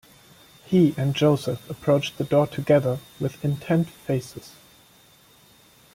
He and Joseph approached the door together, with intent faces.